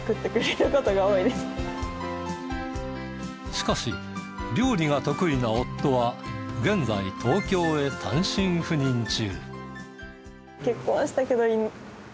しかし料理が得意な夫は現在東京へ単身赴任中。